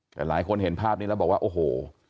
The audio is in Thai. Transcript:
แต่หลายคนเห็นภาพนี้แล้วบอกว่าโอ้โห